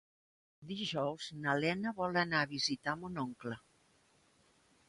Dijous na Lena vol anar a visitar mon oncle.